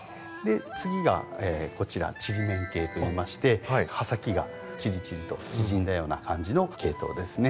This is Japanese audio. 次がこちらちりめん系といいまして葉先がちりちりと縮んだような感じの系統ですね。